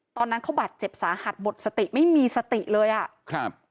ตอนนั้นเขาบาดเจ็บสาหัสหมดสติไม่มีสติเลยอ่ะครับ